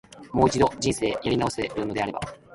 もう一度、人生やり直せるのであれば、